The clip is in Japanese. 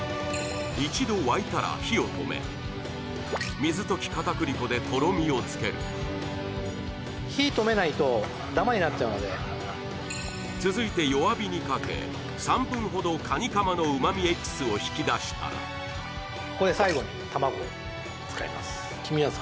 一度沸いたら火を止め水溶き片栗粉でとろみをつける続いて弱火にかけ３分ほどカニカマの旨味エキスを引き出したらここで最後に卵を使います